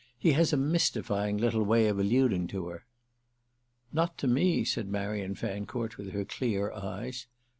He has a mystifying little way of alluding to her." "Not to me," said Marian Fancourt with her clear eyes.